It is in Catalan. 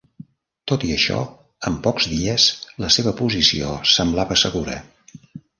Tot i això, en pocs dies, la seva posició semblava segura.